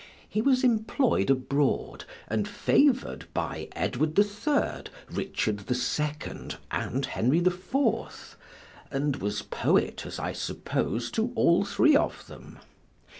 He was employ'd abroad and favor'd by Edward the Third, Richard the Second, and Henry the Fourth, and was poet, as I suppose, to all three of them.